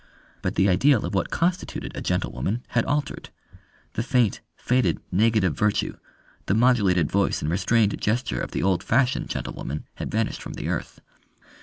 But the ideal of what constituted a gentlewoman had altered: the faint, faded, negative virtue, the modulated voice and restrained gesture of the old fashioned gentlewoman had vanished from the earth.